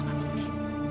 kita tetap berdua